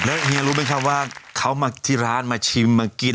แล้วเฮียรู้ไหมครับว่าเขามาที่ร้านมาชิมมากิน